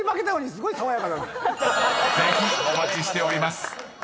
［ぜひお待ちしております］